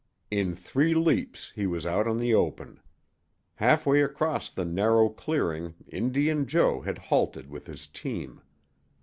In three leaps he was out in the open. Halfway across the narrow clearing Indian Joe had halted with his team.